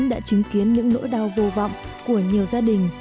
đã chứng kiến những nỗi đau vô vọng của nhiều gia đình